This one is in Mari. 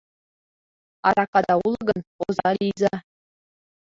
Аракада уло гын, оза лийза.